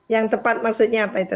yang tepat maksudnya apa itu